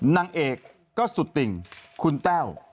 นางเอกก็สุดติ่งคุณแต้ว